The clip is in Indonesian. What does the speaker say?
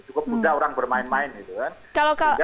cukup mudah orang bermain main gitu kan